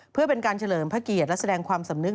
เพื่อเป็นการเฉลิมพระเกียรติและแสดงความสำนึก